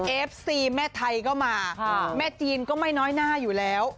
เอฟซีแม่ไทยก็มาแม่จีนก็ไม่น้อยหน้าอยู่แล้ว